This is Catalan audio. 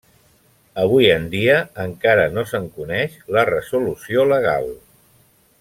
Avui en dia encara no se'n coneix la resolució legal.